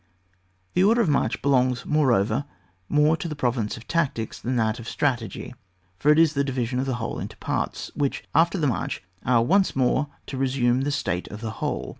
The order of march belongs, more over, more to the province of tac tics than to that of strategy, for it is the division of a whole into parts, which, after the march, are once more to resume the state of a whole.